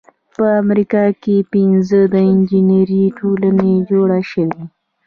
په امریکا کې پنځه د انجینری ټولنې جوړې شوې.